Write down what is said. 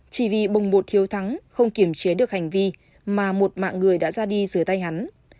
chỉ vì bồng bột thiếu thắng không kiểm chế được hành vi mà một mạng người đã ra đi giữa tay hắn